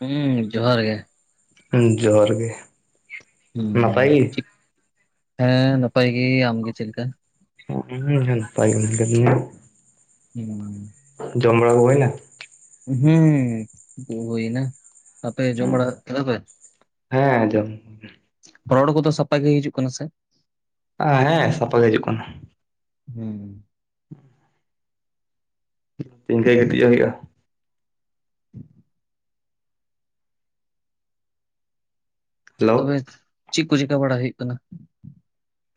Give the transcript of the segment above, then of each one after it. ᱦᱩᱸ ᱡᱚᱦᱟᱨ ᱜᱮᱼᱼ ᱦᱩᱸ ᱡᱚᱦᱟᱨ ᱜᱮᱼᱼ ᱦᱩ ᱦᱮᱸ ᱱᱟᱯᱟᱭ ᱜᱮ ᱟᱢᱜᱮ ᱪᱮᱫ ᱞᱮᱠᱟ? ᱦᱯᱟᱭ [inaudible] ᱦᱮᱸ ᱡᱚᱢᱲᱟ ᱦᱳᱭ ᱱᱟ᱾ ᱦᱩᱸᱜᱩᱸ ᱦᱩᱭ ᱱᱟ ᱟᱯᱮᱜᱮ ᱡᱚᱢᱵᱟᱲᱟ ᱠᱮᱫᱟᱯᱮ? ᱦᱮᱸ ᱡᱚᱢ᱾ ᱨᱚᱲ ᱠᱚᱫᱚ ᱥᱟᱯᱟᱜ ᱜᱮ ᱦᱤᱡᱩᱜ ᱠᱟᱱᱟ ᱥᱮ᱾ ᱟ ᱦᱮᱸ ᱥᱟᱯᱟᱜ ᱜᱮ ᱦᱤᱡᱩᱜ ᱠᱟᱱᱟ᱾ ᱦᱮᱸ ᱤᱱᱠᱟᱹ ᱜᱤᱛᱤᱡᱚᱜ ᱦᱩᱭᱩᱜᱼᱟ᱾ ᱦᱮ [inaudible] ᱦᱮᱞᱳ ᱛᱚᱵᱮ ᱪᱮᱫ ᱠᱚ ᱪᱮᱠᱟ ᱵᱟᱲᱟ ᱦᱩᱭᱩᱜ ᱠᱟᱱᱟ᱾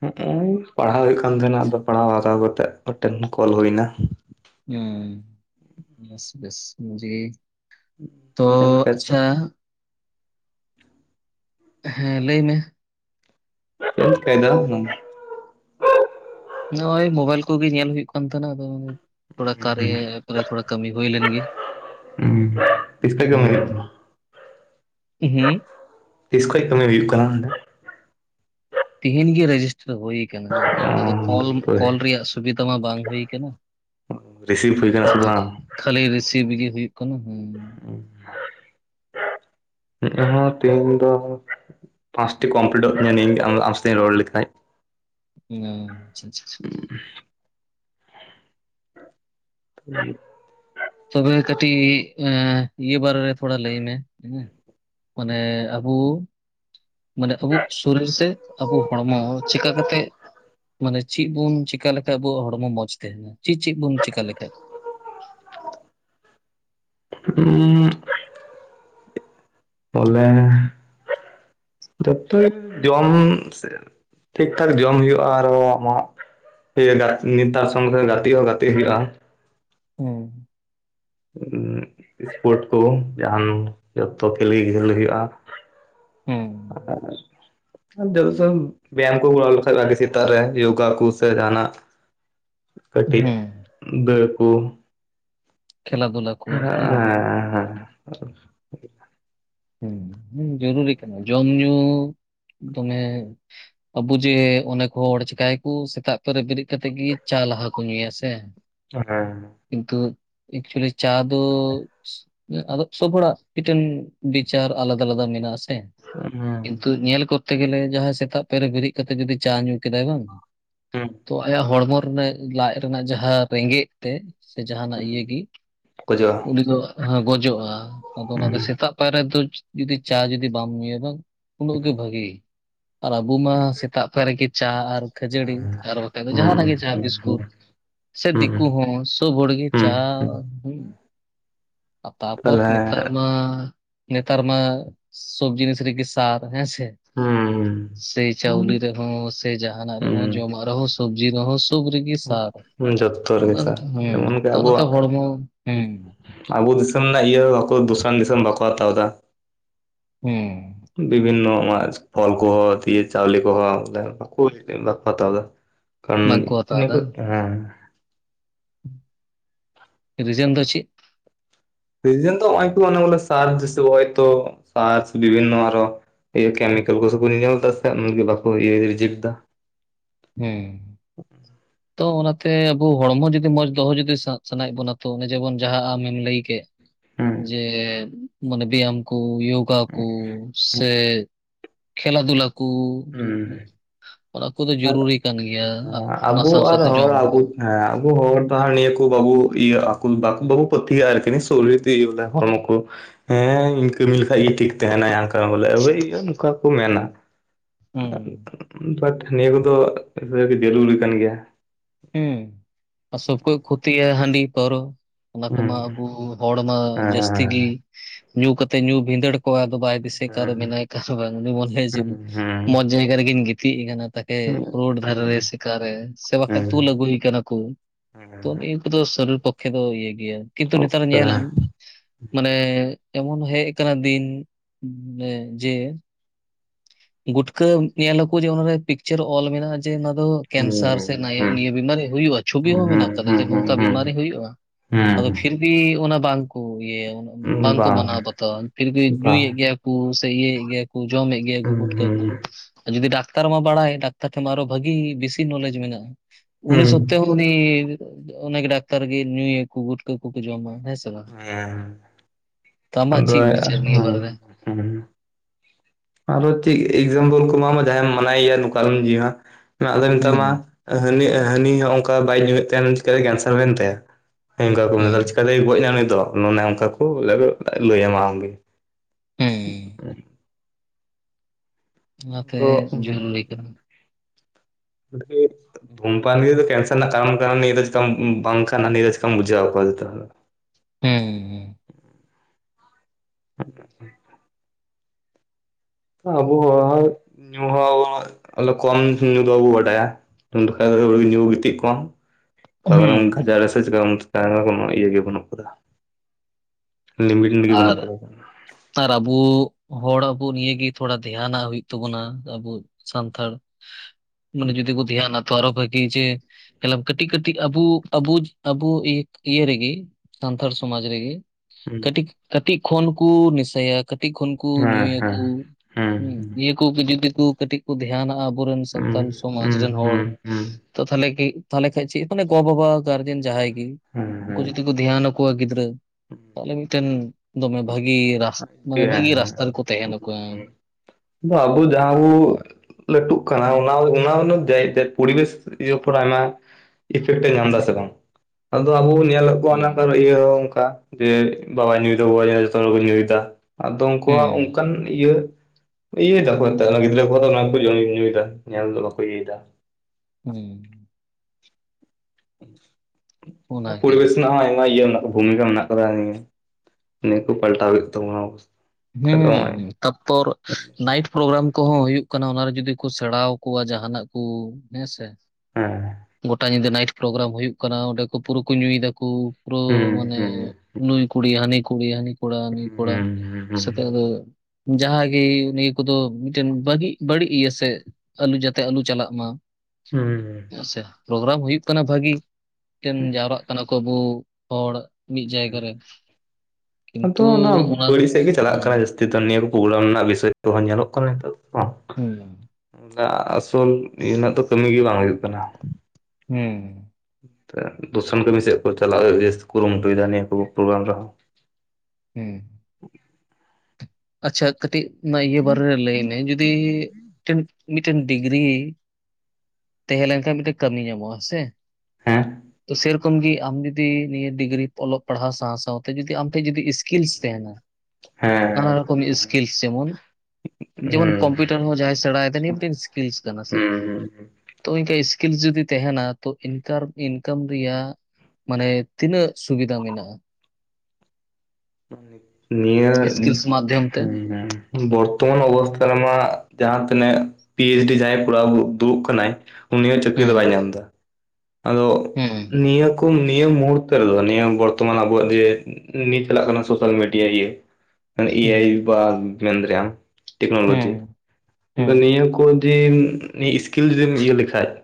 ᱦᱚᱜ-ᱚᱭ ᱯᱟᱲᱦᱟᱣ ᱦᱩᱭᱩᱜ ᱠᱟᱱ ᱛᱟᱦᱮᱱᱟ ᱟᱫᱚ ᱯᱟᱲᱦᱟᱣ ᱦᱟᱛᱟᱣ ᱠᱟᱛᱮᱜ ᱢᱤᱫᱴᱮᱱ ᱠᱚᱞ ᱦᱩᱭ ᱮᱱᱟ᱾ ᱦᱩ ᱵᱮᱥ ᱵᱮᱥ ᱛᱚ ᱪᱮᱫ ᱟᱪᱪᱷᱟ᱾ ᱦᱮᱸ ᱞᱟᱹᱭ ᱢᱮ? ᱪᱟᱭᱫᱟ ᱦ [inaudible] ᱱᱚᱜᱼᱚᱭ ᱢᱳᱵᱟᱭᱤᱞ ᱠᱚᱜᱮ ᱧᱮᱞ ᱦᱩᱭᱩᱜ ᱠᱟᱱ ᱛᱟᱦᱮᱱᱟ ᱟᱫᱚ᱾ ᱛᱷᱚᱲᱟ ᱠᱟᱨᱮ ᱛᱚᱲᱟ ᱛᱚᱲᱟ ᱠᱟᱹᱢᱤ ᱦᱩᱭᱭ ᱞᱮᱱ ᱜᱮ᱾ ᱦ ᱛᱤᱥᱠ ᱜᱮ ᱞ [inaudible] ᱦᱮᱸ ᱛᱤᱥ ᱠᱷᱚᱡ ᱠᱟᱹᱢᱤ ᱦᱩᱭᱩᱜ ᱠᱟᱱᱟ ᱚᱸᱰᱮ᱾ ᱛᱤᱦᱤᱱᱧ ᱜᱮ ᱨᱮᱡᱤᱥᱴᱟᱨ ᱦᱩᱭᱼᱼ ᱟᱫᱚ ᱠᱚᱞ ᱚᱸᱰᱮ ᱠᱚᱞ ᱨᱮᱭᱟᱜ ᱥᱩᱵᱤᱫᱟ ᱢᱟ ᱵᱟᱝ ᱦᱩᱭ ᱟᱠᱟᱱᱟ᱾ ᱨᱥᱤᱵᱷ ᱦᱩᱭ ᱠᱟᱱᱟ ᱥᱩᱫᱷᱩ ᱵᱟᱝ, ᱠᱷᱟᱞᱞᱤ ᱨᱤᱥᱤᱵᱷ ᱜᱤ ᱦᱩᱭᱩᱜ ᱠᱟᱱᱟ ᱦᱮᱸ᱾ ᱚ ᱛᱦᱧ ᱫᱚ [inaudible] ᱯᱟᱥᱴᱤ ᱠᱚᱢᱯᱞᱤᱴᱚᱜ ᱛᱤᱧᱟ ᱟᱢ ᱥᱟᱛᱮᱧ ᱨᱚᱲ ᱞᱮᱠᱷᱟᱡ᱾ ᱦ [inaudible] ᱦᱩᱸ [unintelligible] ᱛᱚᱵᱮ ᱠᱟᱹᱴᱤᱡ ᱤᱭᱟᱹ ᱵᱟᱨᱮ ᱨᱮ ᱛᱷᱚᱲᱟ ᱞᱟᱹᱭ ᱢᱮ᱾ ᱢᱟᱱᱮ ᱟᱵᱩᱼᱼ ᱢᱟᱱᱮ ᱟᱵᱚ ᱥᱚᱨᱤᱨ ᱥᱮ ᱟᱵᱩ ᱦᱚᱲᱢᱚ ᱪᱮᱠᱟ ᱠᱟᱛᱮᱜᱼᱼ ᱢᱟᱱᱮ ᱪᱮᱫ ᱵᱩᱱ ᱪᱮᱠᱟ ᱞᱮᱠᱷᱟᱡ ᱟᱵᱚᱣᱟᱜ ᱦᱚᱲᱢᱚ ᱢᱚᱸᱡᱽ ᱛᱟᱦᱮᱱᱟ ᱪᱮᱫ ᱪᱮᱫ ᱵᱚᱱ ᱪᱮᱠᱟ ᱞᱮᱠᱷᱟᱡ? ᱟ [inaudible] ᱛᱚᱞᱮᱼᱼ ᱡᱚᱛᱚ ᱡᱚᱢ ᱥᱮ ᱴᱷᱤᱠ ᱴᱷᱟᱠ ᱡᱚᱢ ᱦᱩᱭᱩᱜᱼᱟ ᱟᱨᱚ ᱟᱢᱟᱜᱼᱼ ᱜᱟ ᱱᱮᱛᱟᱨ ᱥᱚᱝᱜᱮ ᱜᱟᱛᱮᱜ ᱦᱚᱸ ᱜᱟᱛᱮᱜ ᱦᱩᱭᱩᱜᱼᱟ᱾ ᱦᱩᱸ ᱥᱯᱳᱨᱴ ᱠᱚ ᱡᱟᱦᱟᱱ ᱡᱚᱛᱚ ᱠᱷᱮᱞ ᱜᱮ ᱠᱷᱮᱞ ᱦᱩᱭᱩᱜᱼᱟ᱾ ᱦᱩᱸ ᱟᱨᱼᱼ [unintelligible] ᱵᱮᱭᱟᱢ ᱠᱚᱨᱟᱣ ᱞᱮᱠᱷᱟᱡ ᱟᱹᱰᱤ ᱥᱮᱛᱟᱜ ᱨᱮ ᱭᱳᱜᱟ ᱠᱚ ᱥᱮ ᱡᱟᱦᱟᱱᱟᱜ ᱾ ᱠᱟᱹᱴᱤᱡ ᱦᱩᱸ [unintelligible] ᱠᱷᱮᱞᱟ ᱫᱷᱩᱞᱟ ᱠᱩ ᱦᱮᱸ᱾ ᱦᱩᱸ ᱦᱩᱸ ᱡᱩᱨᱩᱨᱤ ᱠᱟᱱᱟ ᱡᱚᱢ ᱧᱩ ᱫᱚᱢᱮ ᱟᱵᱩ ᱡᱮ ᱚᱱᱮᱠ ᱦᱚᱲ ᱪᱮᱠᱟᱭᱟᱠᱩ ᱥᱮᱛᱟᱜ ᱩᱛᱟᱹᱨ ᱨᱮ ᱵᱮᱨᱮᱫ ᱠᱟᱛᱮᱜ ᱜᱮ ᱪᱟ ᱞᱟᱦᱟ ᱠᱚ ᱧᱩᱭᱟ ᱥᱮ᱾ ᱦᱮᱸᱻ᱾ ᱠᱤᱱᱛᱩ ᱮᱠᱪᱩᱭᱮᱞᱤ ᱪᱟ ᱫᱚᱻ ᱟᱫᱚ ᱥᱚᱵ ᱦᱚᱲᱟᱜ ᱢᱤᱫᱴᱮᱱ ᱵᱤᱪᱟᱨ ᱟᱞᱟᱫᱟ ᱟᱞᱟᱫᱟ ᱢᱮᱱᱟᱜᱼᱟ ᱥᱮ᱾ ᱦᱮᱸ᱾ ᱠᱤᱱᱛᱩ ᱧᱮᱞ ᱠᱚᱨᱛᱮ ᱜᱮᱞᱮ ᱡᱟᱸᱦᱟᱭ ᱥᱮᱛᱟᱜ ᱯᱟᱭᱟᱨ ᱨᱮ ᱵᱤᱨᱤᱫ ᱠᱟᱛᱮ ᱡᱩᱫᱤ ᱪᱟ ᱧᱩ ᱠᱮᱫᱟᱭ ᱵᱟᱝ ᱦᱮᱸ ᱦᱮᱸ ᱛᱚ ᱟᱭᱟᱜ ᱦᱚᱲᱢᱚ ᱨᱮᱱᱟᱜ ᱞᱟᱡ ᱨᱮᱱᱟᱜ ᱡᱟᱦᱟ ᱨᱮᱸᱜᱮᱡ ᱛᱮ ᱥᱮ ᱡᱟᱦᱟᱱᱟᱜ ᱤᱭᱟᱹ ᱜᱤ ᱠᱷᱚᱡᱚᱜᱼᱟ ᱩᱱᱤ ᱫᱚ ᱜᱚᱡᱚᱜᱼᱟ, ᱟᱫᱚ ᱚᱱᱟ ᱫᱚ ᱥᱮᱛᱟᱜ ᱯᱟᱭᱟᱨ ᱨᱮᱫᱚ ᱡᱩᱫᱤ ᱪᱟ ᱡᱩᱫᱤ ᱵᱟᱢ ᱧᱩᱭᱟ ᱵᱟᱝ ᱩᱱᱟᱹᱜ ᱜᱤ ᱵᱷᱟᱜᱤ᱾ ᱟᱨ ᱟᱵᱩ ᱢᱟ ᱥᱮᱛᱟᱜ ᱯᱟᱭᱟᱨ ᱨᱮᱜᱮ ᱪᱟ ᱟᱨ ᱠᱷᱟᱹᱡᱟᱹᱲᱤ ᱛᱟᱦᱚᱞᱮ ᱟᱨ ᱵᱟᱠᱷᱟᱡ ᱫᱚ ᱦᱩᱸ ᱡᱟᱦᱟᱸᱱᱟᱜ ᱜᱤ ᱪᱟ ᱵᱤᱥᱠᱩᱴ ᱦᱩᱸ ᱥᱮ ᱫᱤᱠᱩ ᱦᱚᱸ ᱥᱚᱵᱽ ᱦᱚᱲ ᱜᱤ ᱪᱟ ᱦᱩᱸ ᱛᱟᱯᱚᱨ ᱛᱟᱦᱞᱮ ᱱᱮᱛᱟᱨ ᱢᱟ ᱱᱮᱛᱟᱨ ᱢᱟ ᱥᱚᱵᱽ ᱡᱤᱱᱤᱥ ᱨᱮᱜᱮ ᱥᱟᱨ ᱦᱮᱸ ᱦᱩᱸ ᱥᱮ ᱪᱟᱣᱞᱤ ᱨᱮᱦᱚᱸ ᱥᱮ ᱡᱟᱦᱟᱸᱱᱟᱜ ᱦᱩᱸ ᱨᱮᱦᱚᱸ ᱡᱚᱢᱟᱜ ᱨᱮᱦᱚᱸ ᱥᱚᱵᱽᱡᱤ ᱨᱮᱦᱚᱸ ᱥᱚᱵᱽ ᱨᱤᱜᱤ ᱥᱟᱹᱨ ᱡᱚᱛᱚ ᱨᱮᱜᱮ ᱚᱱᱟ ᱥᱟᱨ ᱦᱮᱸ ᱡᱮᱢᱚᱱ ᱜᱮ ᱛᱚ ᱚᱱᱟᱛᱮ ᱟᱵᱚᱣᱟᱜ ᱦᱚᱲᱢᱚ ᱦᱩᱸ ᱟᱵᱚ ᱫᱤᱥᱚᱢ ᱨᱮᱱᱟᱜ ᱤᱭᱟᱹ ᱟᱠᱚ ᱫᱚᱥᱟᱨ ᱫᱤᱥᱚᱢ ᱵᱟᱠᱚ ᱦᱟᱛᱟᱣ ᱫᱟ᱾ ᱦᱩᱸᱻ᱾ ᱵᱤᱵᱷᱤᱱᱱᱚ ᱟᱣᱟᱡᱽ ᱯᱷᱚᱞ ᱠᱚᱦᱚᱸ ᱫᱤᱭᱮ ᱪᱟᱣᱞᱮ ᱠᱚᱦᱚᱸ ᱵᱚᱞᱮ ᱵᱟᱠᱩ ᱵᱟᱠᱩ ᱦᱟᱛᱟᱣ ᱫᱟ᱾ ᱠᱷᱟᱱ ᱵᱟᱝᱠᱚ ᱦᱟᱛᱟᱣ ᱤᱱᱟᱹ ᱠᱚ ᱦᱮᱸ᱾ ᱨᱤᱡᱚᱱ ᱫᱚ ᱪᱮᱫ? ᱨᱤᱡᱮᱱ ᱫᱚ ᱦᱚᱸᱜᱼᱚᱭ ᱠᱩ ᱚᱱᱟ ᱵᱚᱞᱮ ᱥᱟᱨ ᱡᱮᱭᱥᱮ ᱦᱚᱭᱛᱚ ᱵᱤᱵᱷᱤᱱᱱᱚ ᱟᱨᱚ᱾ ᱤᱭᱟᱹ ᱠᱮᱢᱤᱠᱮᱞ ᱠᱚ ᱥᱮ ᱠᱚ ᱧᱮᱞ ᱫᱟ ᱥᱮ ᱵᱟᱠᱚ ᱤᱭᱟᱹ‌ ᱨᱤᱡᱮᱠᱴ ᱫᱟ᱾ ᱦᱩᱸ᱾ [inaudible] ᱛᱚ ᱚᱱᱟᱛᱮ ᱟᱵᱚ ᱦᱚᱲᱢᱚ ᱡᱩᱫᱤ ᱢᱚᱸᱡᱽ ᱫᱚᱦᱚ ᱡᱩᱫᱤ ᱥᱟᱼᱥᱟᱱᱟᱭᱮᱫ ᱵᱚᱱᱟ ᱛᱚ ᱚᱱᱟ ᱡᱮᱢᱚᱱ ᱡᱟᱦᱟ ᱟᱢᱮᱢ ᱞᱟᱹᱭ ᱠᱮᱫ᱾ ᱦᱩᱸ ᱡᱮ ᱢᱟᱱᱮ ᱵᱮᱭᱟᱢ ᱠᱩ ᱭᱳᱜᱟ ᱠᱩ ᱥᱮ ᱠᱷᱮᱞᱟ ᱫᱷᱩᱞᱟ ᱠᱩ ᱦᱩᱸ ᱚᱱᱟ ᱠᱚᱫᱚ ᱟᱨ ᱡᱩᱨᱩᱨᱤ ᱠᱟᱱ ᱜᱮᱭᱟ ᱚᱱᱟ ᱟᱵᱚ ᱥᱟᱶ ᱥᱟᱶ ᱟᱨ ᱛᱮ ᱡᱚᱢ ᱦᱚᱲ ᱟᱵᱚ ᱨᱮᱦᱚᱸ ᱾ ᱦᱮᱸ ᱟᱵᱚ ᱦᱚᱲ ᱦᱟᱱᱟ ᱱᱤᱭᱟᱹ ᱠᱚ ᱵᱟᱵᱩ ᱤᱭᱟᱹ ᱟᱠᱩ ᱵᱟᱠᱩ ᱯᱟᱹᱛᱭᱟᱹᱜᱼᱟ ᱟᱨᱠᱤ ᱥᱚᱨᱤᱨ‌ [unintelligible] ᱵᱚᱞᱮ ᱦᱚᱲᱢᱚ ᱠᱚ ᱾ ᱦᱮᱸ ᱤᱧ ᱠᱟᱹᱢᱤ ᱞᱮᱠᱷᱟᱡ ᱜᱮ ᱴᱷᱤᱠ ᱛᱟᱦᱮᱱᱟᱭ ᱚᱱᱠᱟ ᱵᱚᱞᱮ ᱟᱹᱣᱦᱟᱹ ᱜᱤ ᱚᱱᱠᱟ ᱠᱚ ᱢᱮᱱᱟ᱾ ᱦᱩᱸ ᱟᱨ ᱵᱟᱴ ᱱᱤᱭᱟᱹ ᱠᱚᱫᱚ [unintelligible] ᱡᱟᱹᱲᱩᱨᱤ ᱠᱟᱱ ᱜᱮᱭᱟ᱾ ᱦᱮᱸ ᱟᱨ ᱥᱚᱵᱽ ᱠᱚ ᱠᱷᱚᱛᱤᱜᱼᱟ ᱦᱟᱺᱰᱤ ᱯᱟᱹᱣᱨᱟᱹ ᱚᱱᱟ ᱠᱚ ᱢᱟ ᱦᱩᱸ ᱦᱚᱲ ᱢᱟ ᱡᱟᱹᱥᱛᱤ ᱦᱮᱸ ᱜᱤ ᱧᱩ ᱠᱟᱛᱮᱜ ᱧᱩ ᱵᱷᱤᱸᱫᱟᱹᱲ ᱠᱚᱜᱼᱟ ᱟᱫᱚ ᱵᱟᱭ ᱫᱤᱥᱟᱹᱭ ᱚᱠᱟ ᱨᱮ ᱦᱮᱸ ᱢᱮᱱᱟᱭ ᱚᱠᱟ ᱨᱮ ᱵᱟᱝ ᱩᱱᱤ ᱢᱚᱱᱮᱭᱟ ᱡᱮ ᱦᱮᱸ ᱢᱚᱸᱡᱽ ᱡᱟᱭᱜᱟ ᱨᱮᱜᱤᱧ ᱜᱤᱛᱤᱡ ᱠᱟᱱᱟ᱾ ᱥᱮ ᱨᱳᱰ ᱫᱷᱟᱨᱮ ᱨᱮ ᱦᱮᱸ ᱥᱮ ᱚᱠᱟ ᱨᱮ ᱥᱮ ᱵᱟ ᱦᱮᱸ ᱛᱩᱞ ᱟᱹᱜᱩᱭᱮ ᱠᱟᱱᱟ ᱠᱩ, ᱛᱚ ᱦᱮᱸ ᱱᱤᱭᱟᱹ ᱠᱚᱫᱚ ᱥᱚᱨᱤᱨ ᱯᱚᱠᱠᱷᱮ ᱫᱚ ᱤᱭᱟᱹ ᱜᱮᱭᱟ᱾ ᱠᱤᱱᱛᱩ ᱱᱮᱛᱟᱨ ᱚᱵᱚᱥᱥᱳᱭ ᱧᱮᱞᱟᱢ ᱢᱟᱱᱮ ᱮᱢᱚᱱ ᱦᱮᱡ ᱟᱠᱟᱱᱟ ᱫᱤᱱ ᱚᱱᱮ ᱡᱮ ᱜᱩᱴᱠᱟᱹ ᱧᱮᱞ ᱟᱠᱚ ᱡᱮ ᱚᱱᱟ ᱨᱮ ᱯᱤᱠᱪᱟᱨ ᱚᱞ ᱢᱮᱱᱟᱜᱼᱟ ᱡᱮ ᱚᱱᱟ ᱫᱚ ᱦᱩᱸ ᱠᱮᱱᱥᱟᱨ ᱥᱮ ᱚᱱᱟ ᱤᱭᱟᱹ ᱾ ᱦᱩᱸ ᱱᱤᱭᱟᱹ ᱵᱤᱢᱟᱨᱤ ᱦᱩᱭᱩᱜᱼᱟ ᱪᱷᱚᱵᱤ ᱦᱩᱸ ᱦᱚᱸ ᱢᱮᱱᱟᱜ ᱠᱟᱫᱟ ᱦᱩᱸ ᱡᱮ ᱱᱚᱝᱠᱟ ᱦᱩᱸ ᱵᱤᱢᱟᱨᱤ ᱦᱩᱭᱩᱜᱼᱟ᱾ ᱦᱩᱸ ᱟᱫᱚ ᱯᱷᱤᱨ ᱵᱷᱤ ᱚᱱᱟ ᱵᱟᱝ ᱠᱚ ᱤᱭᱟᱹᱭᱟ ᱩᱱᱟᱹᱜ ᱵᱟᱝ ᱠᱚ ᱢᱟᱱᱟᱣ ᱵᱟᱛᱚᱣᱟ ᱯᱷᱤᱨᱵᱷᱤ ᱵᱟᱝ ᱧᱩᱭᱮᱫ ᱜᱮᱭᱟ ᱠᱚ ᱥᱮ ᱤᱭᱟᱹᱭᱮᱫ ᱜᱮᱭᱟ ᱠᱚ ᱡᱚᱢ ᱮᱫ ᱜᱮᱭᱟ ᱠᱚ ᱦᱩᱸ ᱜᱩᱴᱠᱟᱹ ᱦᱩᱸ ᱠᱚ ᱡᱩᱫᱤ ᱰᱟᱠᱛᱟᱨ ᱢᱟ ᱵᱟᱲᱟᱭ ᱰᱟᱠᱛᱟᱨ ᱴᱷᱮᱱ ᱢᱟ ᱟᱨᱚ ᱵᱷᱟᱜᱤ ᱵᱮᱥᱤ ᱱᱚᱞᱮᱡᱽ ᱢᱮᱱᱟᱜᱼᱟ ᱩᱱᱤ ᱦᱩᱸ ᱥᱚᱛᱮ ᱦᱚᱸ ᱩᱱᱤ ᱩᱱᱤ ᱚᱱᱟ ᱜᱮ ᱰᱟᱠᱛᱟᱨ ᱜᱮ ᱧᱩᱭᱟ ᱠᱚ ᱜᱩᱴᱠᱟᱹ ᱠᱚ ᱠᱚ ᱡᱚᱢᱟ ᱦᱮᱸᱥᱮ ᱦᱮᱸ [unintelligible] ᱛᱚ ᱟᱢᱟᱜ ᱟᱫᱚ ᱪᱮᱫ ᱵᱤᱪᱟᱹᱨ ᱱᱤᱭᱟᱹ ᱦᱩᱸ ᱵᱟᱨᱮ ᱨᱮ ᱦᱩᱸ ᱟᱨᱚ ᱪᱮᱫ ᱮᱠᱡᱟᱢᱯᱚᱞ ᱠᱚᱢᱟ ᱡᱟᱦᱟᱸᱭ ᱮᱢ ᱢᱟᱱᱟᱭᱟ ᱱᱚᱝᱠᱟ ᱟᱞᱚᱢ ᱧᱩᱸᱭᱟ ᱟᱫᱚᱭ ᱢᱮᱛᱟ ᱢᱟ ᱦᱩᱸ ᱦᱟᱹᱱᱤ ᱦᱚᱝᱠᱟ ᱵᱟᱭ ᱧᱩᱸᱭᱮᱫ ᱛᱟᱦᱮᱫ ᱪᱤᱠᱟᱹᱛᱮ ᱠᱮᱱᱥᱟᱨ ‌ᱦᱩᱭ ᱮᱱ ᱛᱟᱭᱟ ᱦᱳᱭ ᱚᱱᱠᱟ ᱠᱚ [unintelligible] ᱦᱩᱸ ᱪᱮᱠᱟ ᱛᱮᱭ ᱜᱚᱡ ᱮᱱᱟ ᱩᱱᱤ ᱫᱚ ᱚᱱᱮ ᱚᱱᱠᱟ ᱠᱚ ᱞᱟᱹᱭ ᱟᱢᱟ ᱟᱢ ᱜᱮ ᱦᱩᱸ [inaudible] ᱚᱱᱟᱚᱛ ᱟᱫᱚ ᱡᱩᱱ ᱵᱤᱠ ᱾ ᱟᱱᱰᱠᱟᱹᱛ ᱾ ᱵᱩᱢᱯᱟᱱ ᱫᱚ ᱠᱮᱱᱥᱟᱨ ᱨᱮᱱᱟᱜ ᱠᱟᱨᱚᱱ ᱱᱤᱭᱟᱹ ᱫᱚ ᱪᱠᱟᱢ ᱵᱟᱝ ᱠᱟᱱᱟ ᱱᱤᱭᱟᱹ ᱫᱚ ᱪᱠᱟᱢ ᱵᱩᱡᱟᱹᱣ ᱟᱠᱚᱣᱟ ᱡᱮᱛ ᱦᱚᱲ ᱾ ᱦᱩᱸ [unintelligible] ᱟᱵᱚ ᱦᱚᱲ ᱦᱚᱲ ᱧᱩ ᱦᱚᱸ ᱠᱚᱢ ᱧᱩ ᱫᱚ ᱵᱟᱵᱚ ᱵᱟᱰᱟᱭᱟ ᱾ ᱩᱱᱰᱠᱟ ᱡᱠᱷᱟᱱ ᱫᱚ ᱧᱩ ᱜᱤᱛᱤᱡ ᱠᱚ ᱾ ᱚᱠᱟᱨ ᱦᱩᱸ ᱠᱦᱟᱡᱟᱲᱮ ᱥᱮ ᱪᱤᱠᱟ ᱠᱟᱭᱨᱟ ᱠᱚ ᱢᱟ ᱤᱭᱟᱹ ᱜᱮ ᱵᱟᱹᱱᱩᱜ ᱠᱟᱫᱟ ᱾ ᱞᱤᱢᱤᱴ ᱨᱮᱜᱮ ᱟᱨ ᱵᱟᱹᱱᱩᱜ ᱠᱟᱫᱟ ᱾ ᱟᱨ ᱟᱵᱚ ᱦᱚᱲ ᱟᱵᱚ ᱱᱤᱭᱟᱹᱜᱮ ᱛᱷᱚᱲᱟ ᱫᱷᱮᱭᱟᱱᱟᱜ ᱦᱩᱭᱩᱜᱭ ᱛᱟᱵᱩᱱᱟ ᱟᱵᱚ ᱾ ᱥᱟᱱᱛᱟᱲ ᱢᱟᱱᱮ ᱡᱩᱫᱤ ᱠᱚ ᱫᱷᱮᱭᱟᱱᱟ ᱛᱚ ᱟᱨᱚ ᱵᱷᱟᱹᱜᱤ ᱡᱮ ᱾ ᱛᱮᱞᱟᱢ ᱠᱟᱹᱴᱤᱡ ᱠᱟᱹᱴᱤᱡ ᱟᱵᱚ ᱟᱵᱚ ᱟᱵᱚ ᱤᱭᱟᱹ ᱨᱮᱜᱮ ᱥᱟᱱᱛᱟᱲ ᱥᱚᱢᱟᱡᱽ ᱨᱮᱜᱤ ᱾ ᱦᱩᱸ ᱠᱟᱹᱴᱤᱡ ᱠᱷᱚᱱ ᱠᱚ ᱢᱮᱥᱟᱭᱟ ᱠᱟᱹᱴᱤᱡ ᱠᱷᱚᱱ ᱠᱚ ᱦᱮᱸ ᱧᱩᱭᱟᱠᱚ ᱦᱮᱸ ᱱᱤ ᱾ ᱩᱱᱠᱩ ᱡᱩᱫᱤ ᱠᱚ ᱠᱟᱹᱴᱤᱡ ᱠᱚ ᱫᱷᱮᱭᱟᱱᱟᱜᱼᱟ ᱟᱵᱚᱨᱮᱱ ᱥᱟᱱᱛᱟᱞ ᱦᱩᱸ ᱦᱩᱸ ᱥᱚᱢᱟᱡᱽ ᱦᱩᱸ ᱨᱮᱱ ᱦᱚᱲ ᱦᱩᱸ ᱾ ᱛᱚ ᱛᱟᱦᱚᱞᱮ ᱠᱤ ᱛᱟᱦᱞᱮ ᱠᱷᱟᱱᱡ ᱪᱮᱫ ᱠᱦᱚᱱ ᱮ ᱜᱚᱟ ᱵᱟᱵᱟ ᱜᱟᱨᱡᱮᱱ ᱡᱟᱦᱟᱸᱭ ᱜᱮᱤ ᱩᱱᱠᱩ ᱦᱩᱸ ᱡᱩᱫᱤ ᱠᱩ ᱫᱷᱮᱭᱟᱱ ᱟᱠᱚᱣᱟ ᱜᱤᱫᱽᱨᱟᱹ ᱦᱩᱸ ᱛᱟᱦᱚᱞᱮ ᱢᱤᱫᱴᱮᱱ ᱾ ᱫᱚᱢᱮ ᱵᱷᱟᱹᱜᱤ ᱨᱟᱥ ᱢᱟᱱᱮ ᱵᱷᱟᱜᱤ ᱨᱟᱥᱛᱟ ᱨᱮᱠᱚ ᱛᱟᱦᱮᱱᱟᱠᱚ ᱾ ᱟᱵᱩ ᱡᱟᱸᱦ ᱵᱚ ᱾ ᱞᱟᱹᱴᱩᱜ ᱠᱟᱱᱟ ᱚᱱᱟ ᱚᱱᱡᱟᱭᱤ ᱯᱚᱨᱤᱵᱮᱥᱯᱚᱨ ᱟᱭᱢᱟ ᱾ ᱤᱯᱷᱮᱠᱴ ᱮ ᱧᱟᱢ ᱮᱫᱟ ᱥᱮ ᱵᱟᱝ ᱟᱫᱚ ᱟᱵᱚ ᱧᱮᱞ-ᱟ ᱾ ᱫᱩ ᱚᱱᱟ ᱦᱩᱸ ᱠᱚᱨᱮ ᱤᱭᱟᱹ ᱚᱱᱠᱟ ᱡᱮ ᱵᱟᱵᱟᱭ ᱧᱩᱭᱮᱫᱟ ᱵᱟ ᱡᱚᱛᱚ ᱦᱚᱲ ᱠᱚ ᱧᱩᱭᱮᱫᱟ ᱾ ᱟᱫᱚ ᱩᱱᱠᱩᱣᱟᱜ ᱦᱩᱸ ᱚᱱᱠᱟᱱ ᱤᱭᱟᱹ ᱾ ᱤᱭᱟᱹᱭ ᱫᱟᱠᱚ ᱜᱤᱫᱽᱨᱟᱹ ᱠᱚ ᱚᱱᱟ ᱠᱚ ᱡᱚᱢ ᱧᱩᱭᱮᱫᱟ ᱧᱮᱞ ᱵᱟᱠᱚ ᱤᱭᱟᱹᱭᱮᱫᱟ ᱾ ᱦᱮᱸ ᱾ ᱚᱱᱟᱜᱮ ᱯᱚᱨᱤᱵᱮᱥ ᱨᱮᱱᱟᱜ ᱦᱚᱸ ᱟᱭᱢᱟ ᱤᱭᱟᱹ ᱢᱮᱱᱟᱜᱼᱟ ᱾ ᱵᱷᱩᱢᱤᱠᱟ ᱢᱮᱱᱟᱜ ᱟᱠᱟᱫᱟ ᱱᱤᱭᱟᱹ ᱱᱤᱭᱟᱹ ᱠᱚ ᱯᱟᱞᱴᱟᱣ ᱦᱩᱭᱩᱜ ᱛᱟᱵᱚᱱᱟ ᱾ ᱦᱩᱸ ᱛᱯᱚᱨ ᱾ ᱱᱟᱭᱤᱴ ᱯᱨᱳᱜᱨᱟᱢ ᱠᱚᱦᱚᱸ ᱦᱩᱭᱩᱜ ᱠᱟᱱᱟ ᱚᱱᱟ ᱨᱮ ᱡᱩᱫᱤ ᱠᱚ ᱥᱮᱬᱟ ᱟᱠᱚᱣᱟ ᱡᱟᱦᱟᱱᱟᱜ ᱠᱩ ᱦᱮᱸᱥᱮ ᱾ ᱦᱩᱸ᱾ ᱜᱚᱴᱟ ᱧᱤᱫᱟᱹ ᱱᱟᱭᱤᱴ ᱯᱨᱳᱜᱨᱟᱢ ᱦᱩᱭᱩᱜ ᱠᱟᱱᱟ ᱚᱸᱰᱮ ᱠᱚ ᱯᱩᱨᱟᱹ ᱠᱚ ᱧᱩᱭ ᱫᱟᱠᱚ ᱯᱩᱨᱟᱹ ᱦᱩᱸ ᱢᱟᱱᱮ ᱦᱩᱸ ᱾ ᱠᱩᱲ ᱦᱟᱹᱱᱤ ᱠᱩᱲ ᱦᱟᱹᱱᱤ ᱠᱚᱲᱟ ᱦᱟᱹᱱᱤ ᱠᱚᱲᱟ ᱦᱩᱸ ᱦᱩᱸ ᱦᱩᱸ ᱥᱛᱟ ᱫᱚ ᱾ ᱡᱟᱦᱟᱸᱜᱮ ᱱᱤᱭᱟᱹ ᱠᱚᱫᱚ ᱢᱤᱫᱴᱮᱱ ᱵᱟᱹᱜᱤ ᱵᱟᱹᱲᱤᱡ ᱤᱭᱟᱹ ᱥᱮ ᱟᱞᱩ ᱡᱟᱛᱮ ᱟᱞᱩ ᱪᱟᱞᱟᱜ ᱢᱟ ᱾ ᱦᱩᱸ ᱦᱩᱸ ᱦᱮ‌ᱸ ᱥᱮ ᱯᱨᱳᱜᱨᱟᱢ ᱦᱩᱭᱩᱜ ᱠᱟᱱᱟ ᱵᱷᱟᱹᱜᱤ ᱴᱮᱱ ᱦᱩᱸ ᱡᱟᱣᱨᱟᱜ ᱠᱟᱱᱟ ᱠᱚ ᱟᱵᱚ ᱦᱚᱲ ᱾ ᱢᱤᱫ ᱡᱟᱭᱜᱟ ᱨᱮ ᱠᱤᱱᱛᱩ ᱚᱱᱟ ᱦᱩᱸ ᱼᱼ ᱱᱤᱛᱟᱨ ᱱᱤᱭᱟᱹ ᱠᱚ ᱯᱨᱳᱜᱨᱮᱢ ᱨᱮᱱᱟᱜ ᱵᱤᱥᱚᱭ ᱠᱚᱦᱚᱸ ᱧᱮᱞᱚᱜ ᱠᱟᱱᱟ ᱱᱤᱛᱚᱜ ᱠᱚ ᱾ ᱦᱩᱸ ᱾ ᱟᱜ ᱟᱥᱚᱞ ᱤᱱᱟᱹᱜ ᱫᱚ ᱠᱟᱹᱢᱤᱜ ᱜᱮ ᱵᱟᱝ ᱦᱩᱭᱩᱜ ᱠᱟᱱᱟ ᱾ ᱦᱩᱸ ᱾ ᱫᱚᱥᱚᱱ ᱠᱟᱹᱢᱤ ᱥᱮᱫ ᱠᱚ ᱪᱟᱞᱟᱜ ᱤᱥ ᱠᱩᱨᱩᱢᱩᱴᱩ ᱮᱫᱟ ᱱᱤᱭᱟᱹ ᱠᱚ ᱯᱨᱳᱜᱨᱟᱢ ᱨᱮᱦᱚᱸ ᱾ ᱦᱩᱸ ᱾ ᱟᱪᱪᱷᱟ ᱠᱟᱹᱴᱤᱡ ᱚᱱᱟ ᱤᱭᱟᱹ ᱵᱟᱨᱮ ᱨᱮ ᱞᱟᱹᱭ ᱢᱮ ᱡᱩᱫᱤ ᱠᱤᱱᱼᱼ ᱢᱤᱫᱴᱮᱱ ᱰᱤᱜᱽᱨᱤ ᱛᱟᱦᱮᱸ ᱞᱮᱱ ᱠᱷᱟᱱ ᱢᱤᱫᱴᱮᱱ ᱠᱟᱹᱢᱤ ᱧᱟᱢᱚᱜᱼᱟ ᱥᱮ ᱾ ᱦᱮᱸ ᱾ ᱛᱚ ᱥᱮ ᱨᱚᱠᱚᱢ ᱜᱮ ᱟᱢ ᱡᱩᱚᱫᱤ ᱱᱤᱭᱟᱹ ᱰᱤᱜᱽᱨᱤ ᱚᱞᱚᱜ ᱯᱟᱲᱦᱟᱣ ᱥᱟᱶ ᱥᱟᱶ ᱛᱮ ᱡᱩᱫᱤ ᱟᱢ ᱴᱷᱮᱡ ᱡᱩᱫᱤ ᱥᱠᱤᱞᱥ ᱛᱟᱦᱮᱱᱟᱼᱼ ᱱᱟᱱᱟ ᱦᱮᱸ ᱨᱚᱠᱚᱢ ᱥᱠᱤᱞᱥ ᱡᱮᱢᱚᱱ, ᱡᱮᱢᱚᱱ ᱦᱩᱸ ᱠᱚᱢᱯᱩᱭᱩᱴᱟᱨ ᱦᱚᱸ ᱡᱟᱦᱟᱸᱭ ᱥᱮᱬᱟᱭ ᱮᱫᱟᱭ ᱱᱤᱭᱟ ᱢᱤᱫᱴᱤᱜ ᱼᱼ ᱥᱠᱞᱤᱥ ᱠᱟᱱᱟ ᱥᱮ ᱾ ᱦᱩᱸ ᱛᱚ ᱚᱱᱠᱟ ᱥᱠᱤᱞ ᱡᱩᱫᱤ ᱛᱟᱦᱮᱱᱟ ᱛᱚ ᱤᱱᱠᱟᱨ ᱤᱱᱠᱟᱢ ᱨᱮᱭᱟᱜᱼᱼ ᱢᱟᱱᱮ ᱛᱤᱱᱟᱹᱜ ᱥᱩᱵᱤᱫᱷᱟ ᱢᱮᱱᱟᱜᱼᱟ ᱾ ᱱᱤᱭᱟᱹ ᱥᱠᱤᱞᱥ ᱢᱟᱫᱽᱫᱷᱚᱢ ᱛᱮ ᱦᱩᱸ ᱦᱮᱸ ᱾ ᱵᱚᱨᱛᱚᱢᱟᱱ ᱚᱵᱚᱥᱛᱷᱟ ᱨᱮᱢᱟ ᱡᱟᱦᱟᱸ ᱛᱤᱱᱟᱹᱜ ᱯᱤᱭᱮᱪ ᱰᱤ ᱡᱟᱦᱟᱸᱭ ᱠᱚᱨᱟᱣ ᱫᱩᱲᱩᱵ ᱠᱟᱱᱟᱭᱼᱼ ᱩᱱᱤᱭᱟᱜ ᱪᱟᱹᱠᱨᱤ ᱫᱚ ᱵᱟᱭ ᱦᱩᱸ ᱧᱟᱢ ᱮᱫᱟ ᱾ ᱟᱫᱚ ᱦᱩᱸ ᱱᱤᱭᱟᱹ ᱠᱚᱼᱼ ᱱᱤᱭᱚᱢ ᱢᱩᱦᱩᱨᱛᱚ ᱨᱮᱫᱚ ᱱᱤᱭᱟᱹ ᱵᱚᱨᱛᱚᱢᱟᱱ ᱟᱵᱚᱣᱟᱜ ᱡᱮ, ᱱᱤᱛ ᱪᱟᱞᱟᱜ ᱠᱟᱱᱟ ᱥᱳᱥᱟᱞ ᱢᱤᱰᱤᱭᱟ ᱤᱭᱟᱹ ᱾ ᱢᱟᱱᱮ ᱮᱭᱟᱭ ᱦᱩᱸ ᱮ ᱵᱟ ᱡᱚᱭᱮᱱ ᱫᱟᱨᱮᱭᱟᱜᱼᱟᱢ ᱾ ᱴᱮᱠᱱᱳᱞᱚᱡᱤ ᱦᱩᱸ ᱫᱟ ᱦᱩᱸ ᱱᱤᱭᱟᱹ ᱠᱚ ᱡᱮ ᱤᱥᱠᱤᱞᱼᱼ ᱮᱢ ᱤᱭᱟᱹ ᱞᱮᱠᱷᱟᱡ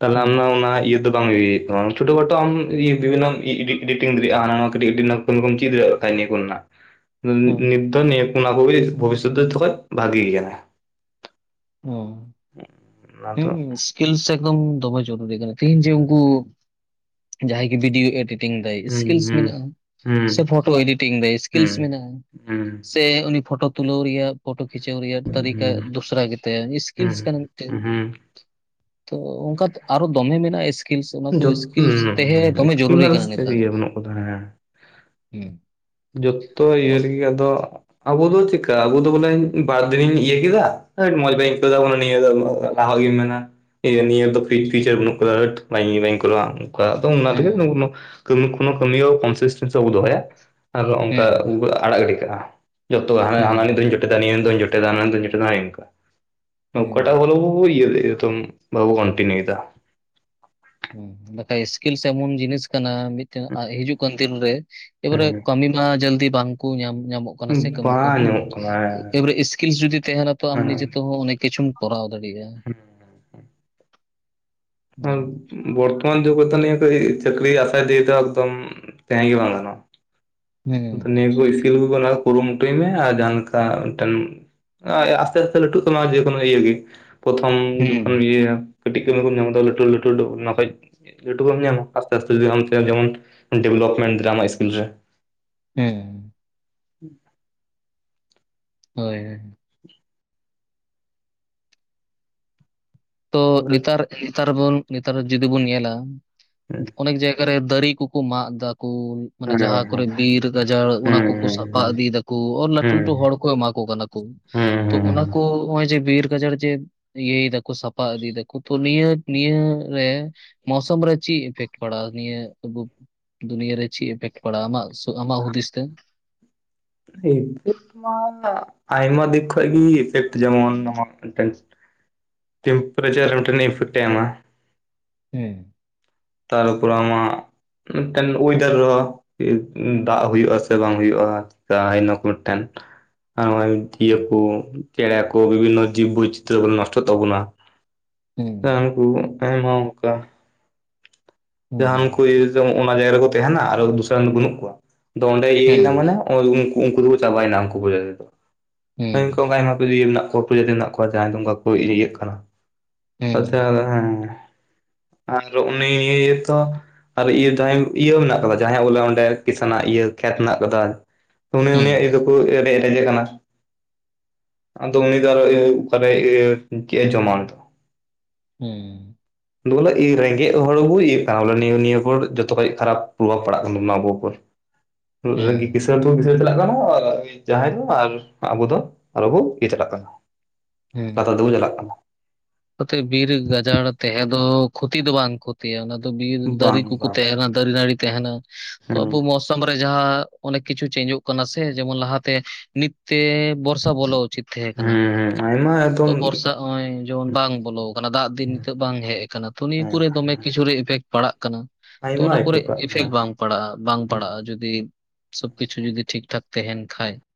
ᱛᱟᱦᱞᱮ ᱱᱟᱣ ᱦᱩᱸ [unintelligible] ᱚᱱᱟᱭ ᱟᱡᱼᱼ ᱵᱟᱝ ᱦᱩᱭ ᱟᱠᱟᱱᱟ ᱪᱷᱚᱴᱳ ᱠᱷᱟᱴᱳ ᱟᱢ ᱤᱭᱟᱹ ᱰᱮᱱᱟᱣ ᱢᱮ ᱤᱰᱴᱤᱝ ᱫᱟᱲᱮᱭᱟᱜᱼᱟ, ᱦᱟᱱᱟ ᱱᱟᱣᱟ ᱠᱟᱹᱴᱤᱡᱼᱼ ᱠᱷᱚᱱᱠᱚᱢ ᱪᱤᱫᱨ ᱠᱟᱹ ᱠᱩᱱᱟ [unintelligible] ᱦᱩᱸ ᱱᱤᱛ ᱫᱚ ᱱᱤᱭᱟᱹ ᱚᱱᱟ ᱠᱚᱜᱮ ᱵᱷᱚᱵᱤᱥᱚᱛ ᱨᱮ ᱡᱚᱛᱚᱠᱷᱚᱡ ᱵᱷᱟᱜᱤ ᱜᱮᱭᱟ ᱾ ᱦᱩᱸ ᱾ ᱚᱱᱟ ᱫᱚ ᱥᱠᱤᱞ ᱮᱠᱫᱚᱢ ᱫᱚᱢᱮ ᱡᱚᱨᱩᱨᱤ ᱠᱟᱱᱟ, ᱛᱮᱦᱤᱧ ᱡᱮ ᱦᱩᱸ ᱩᱱᱠᱩ ᱡᱟᱦᱟᱸᱭ ᱜᱮ ᱵᱷᱤᱰᱤᱭᱳ ᱮᱰᱤᱴᱼᱼ ᱝ ᱫᱟᱭ ᱥᱠᱤᱞᱥ ᱦᱩᱸ ᱢᱮᱱᱟᱜᱼᱟ ᱦᱩᱸ ᱥᱮ ᱯᱷᱚᱴᱳ ᱮᱰᱤᱴᱤᱝ ᱫᱟᱭ ᱥᱠᱤᱞᱥ ᱦᱩᱸ ᱢᱮᱱᱟᱜᱼᱟ ᱦᱩᱸ ᱾ ᱥᱮ ᱩᱱᱤ ᱯᱷᱳᱴᱳ ᱛᱩᱞᱟᱹᱣ ᱨᱮᱭᱟᱜ ᱯᱷᱳᱴᱳ ᱠᱷᱤᱪᱟᱹᱣ ᱨᱮᱭᱟᱜ ᱛᱟᱹᱨᱤᱠᱟ ᱦᱩᱸ ᱫᱚᱥᱨᱟ ᱜᱮᱛᱟᱭᱟ ᱥᱠᱤᱞᱥ ᱦᱩᱸ ᱠᱟᱱᱟ ᱢᱤᱫᱴᱮᱱ ᱦᱩᱸ ᱾ ᱛᱚ ᱚᱱᱠᱟ ᱟᱨᱚ ᱫᱚᱢᱮ ᱢᱮᱱᱟᱜᱼᱟ ᱮᱥᱼᱼ ᱥᱠᱤᱞ ᱚᱱᱟ ᱦᱩᱸ ᱠᱚ ᱡᱚᱛ ᱤᱥᱠᱤᱞᱥ ᱛᱟᱦᱮᱸ ᱫᱚᱢᱮ ᱥᱠᱤᱢ ᱡᱚᱨᱩᱨᱤ ᱠᱟᱱᱟ ᱨᱮ ᱱᱮᱛᱟᱨ ᱤᱭᱟᱹ ᱵᱟᱹᱱᱩᱜ ᱠᱟᱫᱟ ᱦᱮᱸ ᱾ ᱦᱩᱸ ᱾ ᱡᱚᱛᱚ ᱤᱭᱟᱹ ᱨᱮᱜᱮ ᱟᱫᱚᱼᱼ ᱟᱵᱚ ᱫᱚ ᱪᱤᱠᱟ ᱟᱵᱚ ᱫᱚ ᱵᱚᱞᱮ ᱵᱟᱨ ᱫᱤᱱᱤᱧ ᱤᱭᱟᱹ ᱠᱮᱫᱟ ᱢᱚᱸᱡᱽ ᱵᱟᱹᱧ ᱟᱹᱭᱠᱟᱹᱣ ᱮᱫᱟ ᱱᱤᱭᱟᱹ ᱫᱷᱟᱣᱼᱼ ᱞᱟᱦᱟᱜᱤᱢ ᱢᱮᱱᱟ ᱱᱤᱭᱟᱹ ᱫᱚ ᱯᱷᱤᱴ ᱯᱷᱤᱪᱟᱨ ᱵᱟᱹᱱᱩᱜ ᱟᱠᱟᱫᱟ ᱦᱟᱹᱴ ᱵᱟᱝ ᱵᱟᱹᱧ ᱠᱚᱨᱟᱣᱟ ᱾ ᱠᱟᱜ ᱚᱱᱟᱛᱮ ᱠᱚ ᱦᱩᱸ ᱠᱟᱹᱡᱤ ᱠᱱᱳ ᱠᱟᱹᱢᱤ ᱦᱚᱸ ᱠᱚᱱᱥᱤᱥᱴᱮᱱᱥᱤ ᱵᱟᱵᱚ ᱫᱚᱦᱚᱭᱟ ᱾ ᱟᱨᱚ ᱚᱱᱠᱟ ᱦᱩᱸ ᱟᱲᱟᱜ ᱜᱤᱰᱤ ᱠᱟᱜᱼᱟ, ᱡᱚᱛᱚ ᱦᱟᱱᱟ ᱦᱟᱱᱟ ᱱᱤ ᱦᱩᱸ ᱫᱚᱧ ᱡᱚᱛᱚᱼᱼ ᱫᱟ ᱱᱤᱭᱟᱹ ᱡᱚᱴᱮᱫᱟ ᱦᱟᱱᱟ ᱢᱤᱫ ᱫᱟᱣ ᱤᱧ ᱡᱚᱴᱮᱛᱟ ᱤᱱᱠᱟᱹ ᱚᱠᱟᱴᱟᱜ ᱦᱩᱸ ᱵᱚᱞᱮ [unintelligible] ᱵᱟᱵᱚ ᱠᱚᱱᱴᱤᱱᱤᱭᱩᱭ ᱮᱫᱟ ᱾ ᱦᱩᱸ ᱵᱟᱠᱷᱟᱡ ᱥᱠᱤᱞᱥ ᱮᱢᱚᱱ ᱡᱤᱱᱤᱥ ᱠᱟᱱᱟ ᱢᱤᱫᱼᱼ ᱦᱤᱡᱩᱜ ᱠᱟᱱ ᱫᱤᱱ ᱨᱮ ᱮᱵᱟᱨᱮ ᱠᱟᱹᱢᱤ ᱢᱟ ᱡᱟᱹᱞᱫᱤ ᱵᱟᱝᱠᱚ ᱧᱟᱢ ᱧᱟᱢᱚᱜ ᱠᱟᱱᱟ ᱾ ᱚᱱᱟ ᱥᱮ ᱠᱟᱹᱢᱤ ᱵᱟᱝ ᱠᱚᱦᱚ, ᱧᱟᱢᱚᱜ ᱠᱟᱱᱟ ᱮᱵᱟᱨᱮ ᱥᱠᱤᱞ ᱡᱩᱫᱤ ᱛᱟᱦᱮᱱᱟ ᱛᱚ ᱟᱢ ᱦᱮᱸ ᱱᱤᱡᱮ ᱛᱮᱦᱚ ᱚᱱᱮᱠ ᱠᱤᱪᱷᱩᱢᱼᱼ ᱠᱚᱨᱟᱣ ᱫᱟᱲᱮᱭᱟᱜᱼᱟ ᱾ ᱦᱮᱸ ᱵᱚᱨᱛᱚᱢᱟᱱ ᱡᱩᱜᱽ ᱨᱮᱫᱚ ᱪᱟᱹᱠᱨᱤ ᱟᱥᱟᱭ ᱫᱚ ᱮᱠᱫᱚᱢ ᱛᱟᱦᱮᱸ ᱜᱮ ᱵᱟᱝ ᱜᱟᱱᱚᱜᱼᱟ ᱾ ᱟᱫᱚ ᱦᱮᱸ ᱱᱤᱭᱟᱹ ᱠᱚ ᱤᱥᱤᱞᱥ ᱚᱱᱟ ᱠᱩᱨᱩᱢᱩᱴᱩᱭ ᱢᱮ ᱟᱨ ᱡᱟᱦᱟᱸᱮ ᱞᱮᱠᱟ ᱢᱤᱫᱴᱮᱱᱼᱼ ᱚᱭ ᱟᱥᱛᱮ ᱟᱥᱛᱮ ᱞᱟᱹᱴᱩᱜ ᱛᱟᱢᱟ ᱡᱮᱠᱳᱱᱳ ᱤᱭᱟᱹᱜᱮ, ᱯᱚᱛᱷᱚᱢ ᱡᱚᱠᱷᱚᱱ ᱮᱢ ᱦᱩᱸ ᱤᱭᱟᱹᱭᱟᱹ, ᱠᱟᱹᱴᱤᱡ ᱠᱟᱹᱢᱤ ᱠᱚᱢ ᱧᱟᱢᱮᱫᱟ ᱞᱟᱹᱴᱩ ᱞᱟᱹᱴᱩ ᱚᱱᱟ ᱠᱷᱚᱡ ᱞᱟᱹᱴᱩ ᱵᱟᱢ ᱧᱟᱢᱟ ᱟᱥᱛᱮ ᱟᱥᱛᱮ ᱡᱩᱫᱤ ᱟᱢ ᱛᱮᱦᱚ ᱡᱮᱢᱚᱱ ᱰᱮᱵᱷᱞᱯᱢᱮᱱᱴ ᱫᱟᱲᱭᱟᱜ ᱟᱢᱟᱜ ᱤᱥᱠᱤᱞ ᱨᱮ ᱾ ᱦᱮᱸ ᱾ [inaudible] ᱦᱳᱭ ᱦᱳᱭ ᱾ ᱛᱚ ᱱᱮᱛᱟᱨ ᱱᱮᱛᱟᱨ ᱵᱚᱱ ᱱᱮᱛᱟᱨ ᱡᱩᱫᱤ ᱵᱚᱱ ᱧᱮᱞᱟ ᱚᱱᱮᱠ ᱡᱟᱭ ᱜᱟᱨᱮ ᱫᱟᱨᱤ ᱠᱩᱠᱩ ᱢᱟᱜ ᱫᱟᱠᱩ ᱢᱟᱱᱮ ᱦᱮᱸ ᱡᱟᱦᱟᱸ ᱠᱚᱨᱮ ᱵᱤᱨ ᱜᱟᱡᱟᱲ ᱦᱮᱸ ᱚᱱᱟ ᱦᱮᱸ ᱠᱚᱠᱚ ᱥᱟᱯᱷᱟ ᱦᱮᱸ ᱤᱫᱤᱭᱮᱫᱟᱠᱩ ᱞᱟᱹᱴᱩ ᱞᱟᱹᱴᱩ ᱦᱮᱸ ᱦᱚᱲ ᱠᱚ ᱮᱢᱟ ᱠᱚ ᱠᱟᱱᱟ ᱠᱚ ᱾ ᱛᱚ ᱦᱮᱸ ᱚᱱᱟ ᱦᱮᱸ ᱠᱚ ᱦᱚᱜᱼᱚᱭ ᱡᱮ ᱵᱤᱨ ᱜᱟᱡᱟᱲ ᱡᱮ ᱤᱭᱟᱹᱭ ᱫᱟᱠᱚ ᱥᱟᱯ ᱯᱟ ᱤᱫᱤᱭ ᱫᱟᱠᱚ ᱛᱚ ᱱᱤᱭᱟᱹ ᱱᱤᱭᱟᱹ ᱨᱮ ᱢᱳᱥᱚᱢ ᱨᱮ ᱪᱮᱫ ᱤᱯᱷᱮᱠᱴ ᱯᱟᱲᱟᱜ, ᱱᱤᱭᱟᱹ ᱟᱵᱩ ᱫᱩᱱᱤᱭᱟᱹ ᱨᱮ ᱪᱮᱫ ᱤᱯᱷᱮᱠᱴ ᱯᱟᱲᱟᱜᱼᱟ ᱟᱢᱟᱜ ᱛᱚ ᱟᱢᱟᱜ ᱦᱩᱫᱤᱥ ᱛᱮ? ᱦᱳᱭᱳᱜ ᱜᱮ ᱾ [inaudible] ᱟᱭᱢᱟ ᱫᱤᱠ ᱠᱷᱚᱡ ᱜᱮ ᱤᱯᱷᱮᱠᱴ ᱡᱮᱢᱚᱱ [inaudible] ᱴᱤᱢᱯᱮᱨᱮᱪᱟᱨ ᱨᱮ ᱢᱤᱫᱴᱟᱱ ᱤᱯᱷᱮᱠᱴ ᱮᱢᱟ, ᱦᱩᱸ ᱾ ᱛᱟᱨᱯᱚᱨᱮ ᱟᱢᱟᱜ ᱢᱤᱫᱴᱮᱱ ᱳᱭᱮᱫᱟᱨ ᱨᱮᱦᱚᱸ [inaudible] ᱫᱟᱜ ᱦᱩᱭᱩᱜᱼᱟ ᱥᱮ ᱵᱟᱝ ᱦᱳᱭᱳᱜᱼᱟ! [unintelligible] ᱫᱤᱭᱟᱹ ᱦᱮᱸ ᱠᱚ ᱪᱮᱬᱮ ᱠᱚ ᱵᱤᱵᱷᱤᱱᱱᱚ ᱡᱤᱵᱽ ᱵᱳᱭᱪᱤᱛᱨᱚ ᱠᱚ ᱱᱚᱥᱴᱚᱜ ᱛᱟᱵᱚᱱᱟ ᱾ ᱦᱮᱸ ᱦᱟᱝᱠᱩ ᱟᱭᱢᱟ ᱚᱝᱠᱟ ᱡᱟᱦᱟᱱ ᱠᱚ ᱦᱮᱸ ᱡᱮ ᱚᱱᱟ ᱡᱟᱭᱜᱟ ᱨᱮᱠᱚ ᱛᱟᱦᱮᱱᱟ ᱟᱨ ᱫᱚᱥᱟᱨ ᱨᱮᱱ ᱫᱚ ᱵᱟᱹᱱᱩᱜ ᱠᱚᱣᱟ, ᱟᱫᱚ ᱚᱸᱰᱮ ᱤᱭᱟᱹᱭᱱᱟ ᱦᱮᱸ ᱢᱟᱱᱮ ᱳᱭ ᱩᱝᱠᱩ ᱩᱝᱠᱩ ᱫᱚᱠᱚ ᱪᱟᱵᱟᱭᱮᱱᱟ, ᱩᱝᱠᱩ ᱯᱨᱚᱡᱟᱛᱤ ᱫᱚ ᱾ ᱦᱮᱸ ᱾ ᱦᱳᱭ ᱚᱝᱠᱚ ᱚᱝᱠᱟ ᱟᱭᱢᱟ ᱯᱤᱨᱤ ᱤᱭᱟᱹ ᱢᱮᱱᱟᱜ ᱠᱚᱣᱟ ᱯᱨᱚᱡᱟᱹᱛᱤ ᱢᱮᱱᱟᱜ ᱠᱚᱣᱟ ᱡᱟᱦᱟᱸᱭ ᱫᱚ ᱚᱝᱠᱟ ᱠᱚ ᱤᱫᱤᱭᱮᱫ ᱠᱟᱱᱟ ᱾ ᱦᱮᱸ ᱟᱪᱪᱷᱟ ᱟᱫᱚ ᱦᱮᱸ, ᱟᱨ ᱩᱱᱤᱻ ᱛᱚ ᱟᱨ ᱤᱭᱟᱹ ᱡᱟᱦᱟᱸ ᱤᱭᱟᱹ ᱢᱮᱱᱟᱜ ᱠᱟᱫᱟ ᱡᱟᱦᱟᱸᱭᱟᱜ ᱵᱚᱞᱮ ᱚᱸᱰᱮ ᱠᱤᱥᱟᱱᱟᱜ ᱤᱭᱟᱹ ᱠᱷᱮᱛ ᱢᱮᱱᱟᱜ ᱠᱟᱫᱟ, ᱩᱱᱤ ᱩᱱᱤᱭᱟᱜ ᱤᱭᱟ ᱫᱚᱠᱚ ᱨᱮ-ᱨᱮᱡᱮ ᱠᱟᱱᱟ ᱾ ᱟᱫᱚ ᱩᱱᱤ ᱫᱚ [unintelligible] ᱚᱠᱟᱨᱮ ᱤᱭᱟᱹ ᱪᱮᱜᱼᱮ ᱡᱚᱢᱟ ᱩᱱᱤ ᱫᱚ? ᱦᱩᱸ ᱾ ᱫᱚ ᱵᱚᱞᱮ ᱮ ᱨᱮᱸᱜᱮᱡ ᱦᱚᱲ ᱵᱚ ᱤᱭᱟᱹᱜ ᱠᱟᱱᱟ ᱵᱚᱞ ᱱᱤᱭᱟᱹ ᱱᱤᱭᱟᱹ [unintelligible] ᱡᱚᱛᱚᱠᱷᱚᱡ ᱠᱷᱟᱨᱟᱯ ᱯᱨᱚᱵᱷᱟᱵ ᱯᱟᱲᱟᱜ ᱠᱟᱱ ᱛᱟᱵᱚᱱᱟ ᱟᱵᱚᱠᱚ ᱾ ᱨᱚᱝᱜᱤ ᱠᱤᱥᱟᱹᱲ ᱦᱮᱸ ᱫᱚ ᱠᱤᱥᱟᱹᱟᱹᱲ ᱪᱟᱞᱟᱜ ᱠᱟᱱᱟ ᱟᱨ [unintelligible] ᱡᱟᱦᱟᱸᱭ ᱫᱚ ᱟᱨ ᱟᱵᱚ ᱫᱚ ᱟᱨᱚ ᱵᱚ ᱤᱭᱟᱹ ᱪᱟᱞᱟᱜ ᱠᱟᱱᱟ, ᱞᱟᱛᱟᱨ ᱫᱚᱵᱚ ᱪᱟᱞᱟᱜ ᱠᱟᱱᱟ ᱾ ᱚᱛᱮ ᱵᱤᱨ ᱜᱟᱡᱟᱲ ᱛᱟᱦᱮᱸ ᱫᱚ ᱠᱷᱚᱛᱤ ᱫᱚ ᱵᱟᱝ ᱠᱷᱚ ᱛᱤᱭᱟ ᱚᱱᱟ ᱫᱚ ᱵᱤᱨ ᱫᱟᱨᱤ ᱵᱟᱝ ᱠᱚᱠᱚ ᱵᱟᱝ ᱛᱟᱦᱮᱱᱟ ᱫᱟᱨᱤ ᱱᱟᱹᱲᱤ ᱛᱟᱦᱮᱱᱟ ᱛᱚ ᱦᱮᱸ ᱟᱵᱚ ᱢᱚᱥ ᱥᱚᱢ ᱨᱮ ᱡᱟᱦᱟᱸ ᱚᱱᱮ ᱠᱤᱪᱷᱩ ᱪᱮᱧᱡᱚᱜ ᱠᱟᱱᱟ ᱥᱮ ᱡᱮᱢᱚᱱ ᱞᱟᱦᱟᱛᱮ ᱱᱤᱛ ᱛᱮ ᱵᱚᱨᱥᱟ ᱵᱚᱞᱚ ᱩᱪᱤᱛ ᱛᱟᱦᱮᱸ ᱠᱟᱱᱟ, ᱦᱮᱸ ᱦᱮᱸ ᱟᱭᱢᱟ ᱛᱚ ᱮᱠᱫᱚᱢ ᱵᱚᱨᱥᱟ ᱚᱭ ᱵᱟᱝ ᱦᱮᱸ ᱵᱚᱞᱚ ᱟᱠᱟᱱᱟ, ᱫᱟᱜ ᱫᱤᱱ ᱱᱤᱛᱚᱜ ᱵᱟᱝ ᱦᱮᱡ ᱟᱠᱟᱱᱟ ᱛᱚ ᱱᱤᱭᱟᱹ ᱠᱚᱨᱮ ᱫᱚᱢᱮ ᱦᱮᱸ ᱠᱤᱪᱷᱩ ᱨᱮ ᱤᱯᱷᱮᱠᱴ ᱯᱟᱲᱟᱜ ᱠᱟᱱᱟ ᱾ ᱛᱚ ᱟᱭᱢᱟ ᱚᱱᱟ ᱟᱭᱠᱟᱹᱣ ᱠᱚᱨᱮᱜ ᱯᱟᱲᱟᱜ ᱤᱯᱷᱮᱠᱴ ᱠᱟᱱᱟ ᱵᱟᱝ ᱯᱟᱲᱟᱜᱼᱟ, ᱵᱟᱝ ᱯᱟᱲᱟᱜᱼᱟ ᱡᱩ ᱫᱤ ᱥᱚᱵ ᱠᱤᱪᱷᱩ ᱡᱩᱫᱤ ᱴᱷᱤᱠ ᱴᱷᱟᱠ ᱛᱟᱦᱮᱱ ᱠᱷᱟᱡ ᱾